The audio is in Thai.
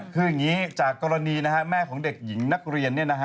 คืออย่างนี้จากกรณีแม่ของเด็กหญิงนักเรียน